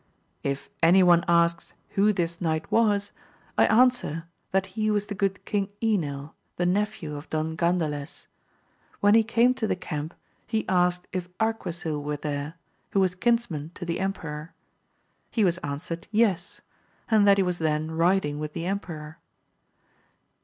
If any one asks who this knight was, I answer that he was the good Knight Enil, the nephew of Don Gandales. When he came to the camp, he asked if Arquisil were there, who was kinsman to the emperor ; he was answered yes, and that he was then riding with the emperor.